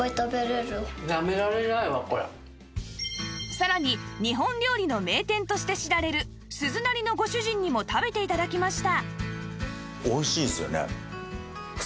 さらに日本料理の名店として知られる鈴なりのご主人にも食べて頂きました